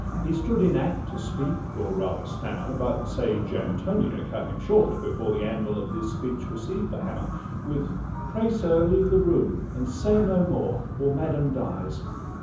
He stood in act to speak, or rather stammer, But sage Antonia cut him short before The anvil of his speech received the hammer, With 'Pray, sir, leave the room, and say no more, Or madam dies.